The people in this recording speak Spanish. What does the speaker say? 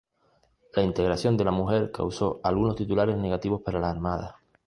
La integración de la mujer causó algunos titulares negativos para la Armada.